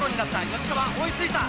吉川、追いついた。